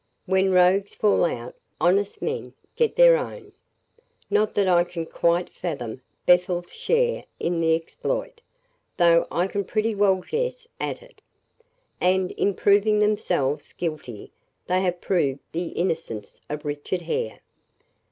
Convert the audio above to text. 'When rogues fall out, honest men get their own.' Not that I can quite fathom Bethel's share in the exploit, though I can pretty well guess at it. And, in proving themselves guilty they have proved the innocence of Richard Hare."